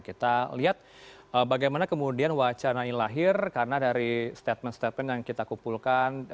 kita lihat bagaimana kemudian wacana ini lahir karena dari statement statement yang kita kumpulkan